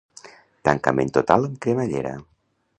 Tancament frontal amb cremallera.